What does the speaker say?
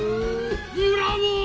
「ブラボー！